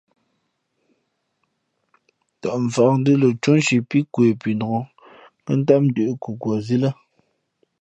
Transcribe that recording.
Tαʼ mfakndʉ̄ʼ lαcóʼ nshi pí kwe punok kα̌ʼ tám ndʉ̌ʼ nkhukwα zī lά.